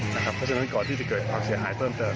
เพราะฉะนั้นก่อนที่จะเกิดความเสียหายเพิ่มเติม